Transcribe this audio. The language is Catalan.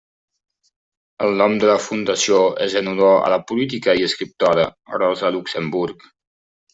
El nom de la fundació és en honor a la política i escriptora Rosa Luxemburg.